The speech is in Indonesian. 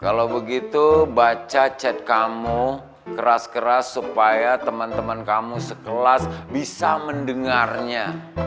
kalo begitu baca chat kamu keras keras supaya temen temen kamu sekelas bisa mendengarnya